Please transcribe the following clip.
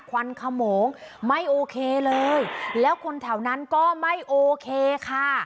ควันขโมงไม่โอเคเลยแล้วคนแถวนั้นก็ไม่โอเคค่ะ